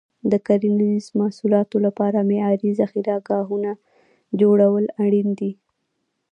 د کرنیزو محصولاتو لپاره معیاري ذخیره ګاهونه جوړول اړین دي.